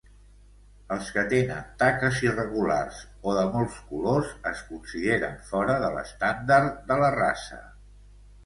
Els que tenen taques irregulars o de molts colors es consideren fora de l'estàndard de la raça.